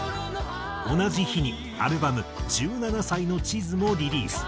同じ日にアルバム『十七歳の地図』もリリース。